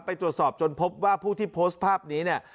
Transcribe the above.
ไปตรวจสอบจนพบว่าผู้ที่โพสต์ภาพนี้เนี่ย